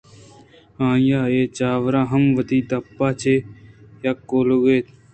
آئی ءَ اے جاوراں ہم وتی دپ ءَ چہ یک گِلّہے